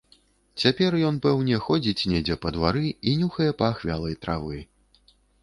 Цяпер ён, пэўне, ходзіць недзе па двары і нюхае пах вялай травы.